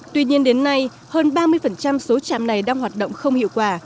tuy nhiên đến nay hơn ba mươi số trạm này đang hoạt động không hiệu quả